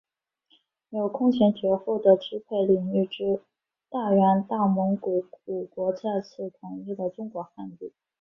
有空前绝后的支配领域之大元大蒙古国再次统一了中国汉地。